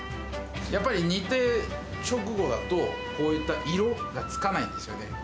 やっぱり煮た直後だと、こういった色がつかないんですよね。